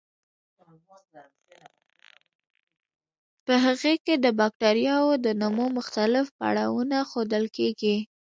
په هغې کې د بکټریاوو د نمو مختلف پړاوونه ښودل کیږي.